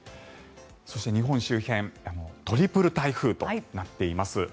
そして、日本周辺トリプル台風となっています。